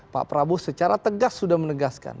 pak prabowo secara tegas sudah menegaskan